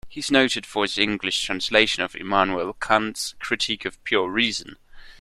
He is noted for his English translation of Immanuel Kant's "Critique of Pure Reason".